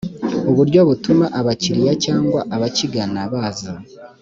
uburyo butuma abakiriya cyangwa abakigana baza